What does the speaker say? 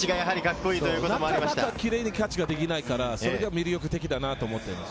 なかなか綺麗にキャッチができないので、それが魅力的だなと思っています。